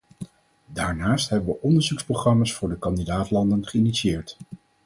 Daarnaast hebben we onderzoeksprogramma's voor de kandidaat-landen geïnitieerd.